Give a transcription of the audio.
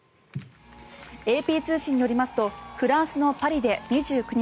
ＡＰ通信によりますとフランスのパリで２９日